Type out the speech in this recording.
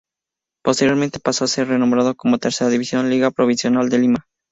Posteriormente pasó a ser renombrado como Tercera División Liga Provincial de Lima.